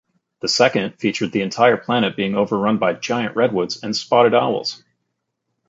The second featured the entire planet being overrun by giant Redwoods and spotted owls.